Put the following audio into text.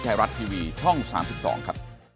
ไทยรัฐทีวีช่อง๓๒ครับ